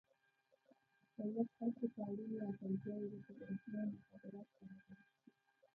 دولت خلکو ته اړینې اسانتیاوې لکه برېښنا او مخابرات برابر کړي.